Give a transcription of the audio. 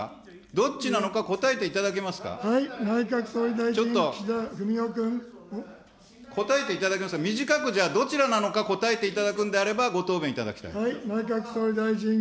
どっちなのか、答えていただけま内閣総理大臣、岸田文雄君。答えていただけますか、短く、どちらなのか、答えていただくんであればご答弁いただきたい。